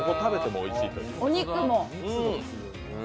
おいしい！